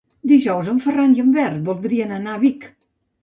Dijous en Ferran i en Bernat voldrien anar a Vic.